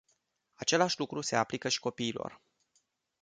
Același lucru se aplică și copiilor.